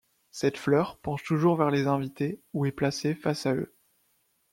Cette fleur penche toujours vers les invités ou est placée face à eux.